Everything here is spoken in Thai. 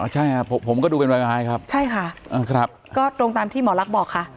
ใช่ครับผมก็ดูเป็นรายไม้ครับใช่ค่ะครับก็ตรงตามที่หมอลักษณ์บอกค่ะ